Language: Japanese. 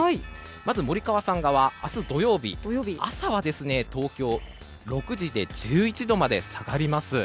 まず、明日の土曜日は朝は東京６時で１１度まで下がります。